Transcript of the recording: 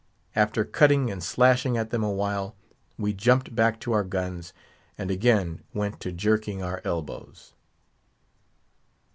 After cutting and slashing at them a while, we jumped back to our guns, and again went to jerking our elbows.